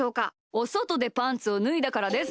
おそとでパンツをぬいだからです。